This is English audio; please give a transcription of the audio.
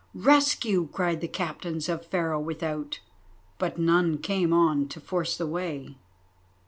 "Rescue!" cried the Captains of Pharaoh without, but none came on to force the way.